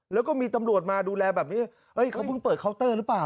แล้วก็มีตำรวจมาดูแลแบบนี้เฮ้ยเขาเพิ่งเปิดเคาน์เตอร์หรือเปล่า